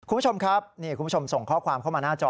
คุณผู้ชมครับนี่คุณผู้ชมส่งข้อความเข้ามาหน้าจอ